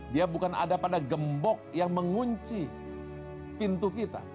dia bukan ada pada gembok yang mengunci pintu kita